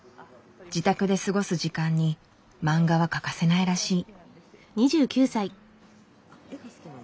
自宅で過ごす時間にマンガは欠かせないらしい。